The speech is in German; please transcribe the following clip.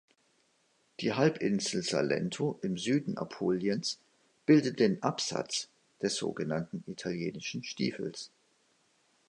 Die Halbinsel Salento im Süden Apuliens bildet den „Absatz“ des sogenannten „italienischen Stiefels“.